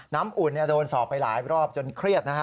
น้ำอุ่นโดนสอบไปหลายรอบจนเครียด